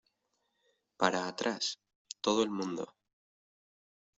Para atrás, todo el mundo.